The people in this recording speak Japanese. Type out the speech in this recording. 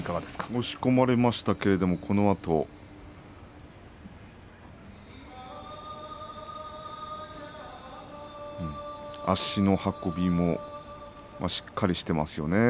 押し込まれましたけれどこのあと、足の運びもしっかりしてますよね。